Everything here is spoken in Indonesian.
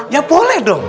ya boleh dong